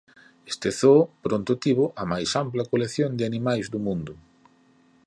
Este Zoo pronto tivo a máis ampla colección de animais do mundo.